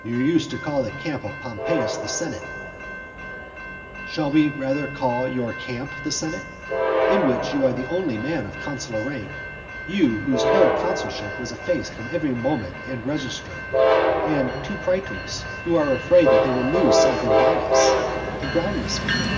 "You used to call the camp of Pompeius the senate." XII. Should we rather call your camp the senate? In which you are the only man of consular rank, you whose whole consulship is effaced from every monument and register; and two praetors, who are afraid that they will lose something by us, a groundless fear.